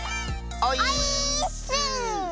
オイーッス！